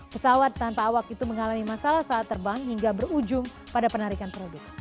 pesawat tanpa awak itu mengalami masalah saat terbang hingga berujung pada penarikan produk